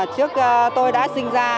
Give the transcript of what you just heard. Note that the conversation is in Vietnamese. trước tôi đã sinh ra